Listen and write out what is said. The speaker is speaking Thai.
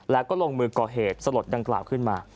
แล้วก็ลงมือก่อเหตุสลดดังกล่าวขึ้นมา